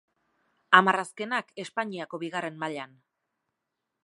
Hamar azkenak Espainiako Bigarren Mailan.